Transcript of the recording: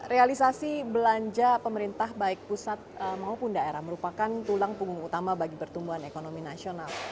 realisasi belanja pemerintah baik pusat maupun daerah merupakan tulang punggung utama bagi pertumbuhan ekonomi nasional